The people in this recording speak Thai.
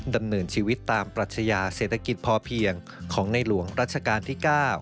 ดำเนินชีวิตตามปรัชญาเศรษฐกิจพอเพียงของในหลวงรัชกาลที่๙